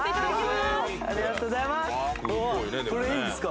ありがとうございます！